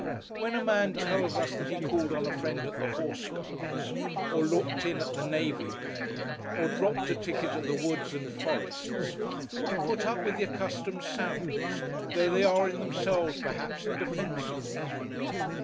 When a man tells us that he called on a friend at the Horse Guards, or looked in at the Navy Pay, or dropped a ticket at the Woods and Forests, we put up with the accustomed sounds, though they are in themselves, perhaps, indefensible.